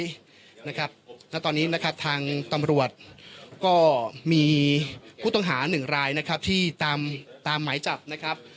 และตอนนี้ทางตำรวจก็มีผู้ต้องหาหนึ่งรายที่ตามไหมจับ